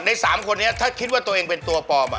ใน๓คนนี้ถ้าคิดว่าตัวเองเป็นตัวปลอม